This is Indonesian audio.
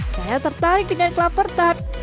saya tertarik dengan kelaper tart